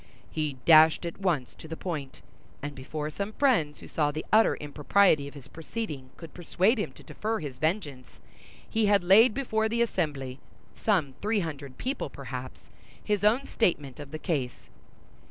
He dashed at once to the point; and before some friends who saw the utter impropriety of his proceeding could persuade him to defer his vengeance, he had laid before the assembly—some three hundred people, perhaps—his own statement of the case.